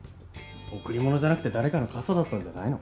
贈り物じゃなくて誰かの傘だったんじゃないの？